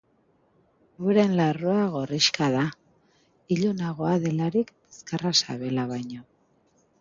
Euren larrua gorrixka da, ilunagoa delarik bizkarra sabela baino.